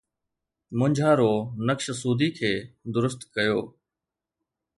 مونجهارو نقش سودي کي درست ڪيو